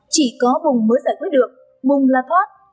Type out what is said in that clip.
chỉ có bùng mới giải quyết được bùng là thoát